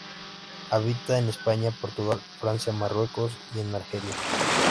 Habita en España, Portugal, Francia, Marruecos y en Argelia.